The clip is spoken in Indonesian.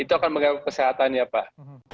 itu akan mengganggu kesehatan ya pak